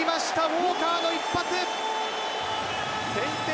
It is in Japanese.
ウォーカーの一発。